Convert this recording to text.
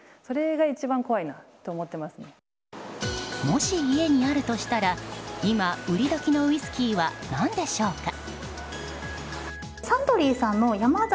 もし家にあるとしたら今、売り時のウイスキーは何でしょうか。